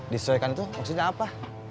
disesuaikan itu maksudnya apa